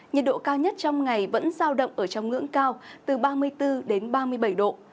nhiệt độ cao nhất trong ngày vẫn giao động ở trong ngưỡng cao từ ba mươi bốn đến ba mươi bảy độ